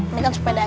ini kan sepedanya